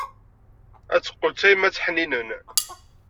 Ad teqqel d tayemmat ḥninen.